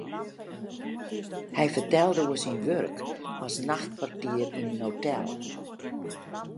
Hy fertelde oer syn wurk as nachtportier yn in hotel.